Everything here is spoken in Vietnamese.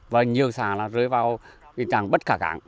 và nhiều xà rơi vào tình trạng bất khảnh